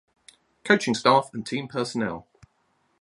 Coaching staff and team personnel